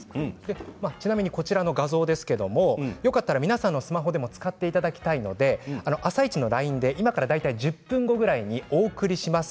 こちらの画像よかったら皆さんのスマホでも使っていただきたいので「あさイチ」のＬＩＮＥで今から大体１０分後ぐらいにお送りします。